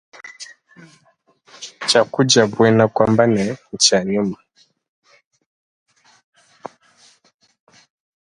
Tshiakudia buena kuamba ne tshia nyuma.